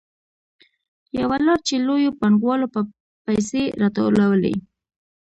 یوه لار چې لویو پانګوالو به پیسې راټولولې